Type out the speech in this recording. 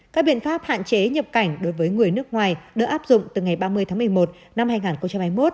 các biện pháp hạn chế nhập cảnh đối với người nước ngoài được áp dụng từ ngày ba mươi tháng một mươi một năm hai nghìn hai mươi một